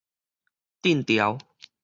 鎮牢